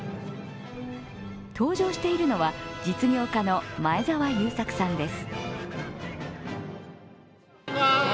搭乗しているのは実業家の前澤友作さんです。